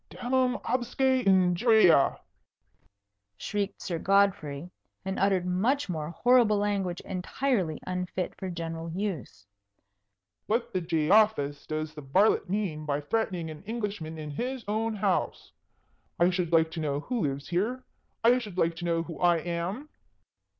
"Damnum absque injuria!" shrieked Sir Godfrey, and uttered much more horrible language entirely unfit for general use. "What the Jeofailes does the varlet mean by threatening an Englishman in his own house? I should like to know who lives here? I should like to know who I am?"